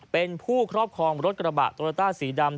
เป็นผู้ครอบครองรถกระบะโตราต้าสีดำ